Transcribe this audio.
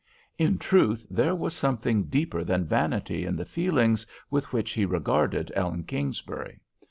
In truth, there was something deeper than vanity in the feelings with which he regarded Ellen Kingsbury.